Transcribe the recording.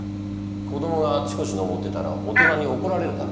子供があっちこち登ってたら大人に怒られるだろ。